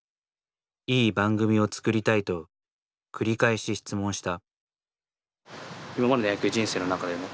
いい番組を作りたいと繰り返し質問した。